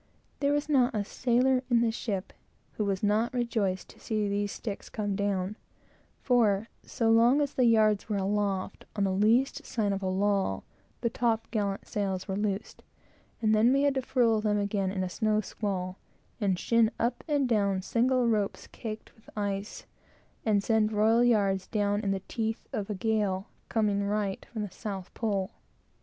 There was not a sailor in the ship who was not rejoiced to see these sticks come down; for, so long as the yards were aloft, on the least sign of a lull, the top gallant sails were loosed, and then we had to furl them again in a snow squall, and shin up and down single ropes caked with ice, and send royal yards down in the teeth of a gale coming right from the south pole.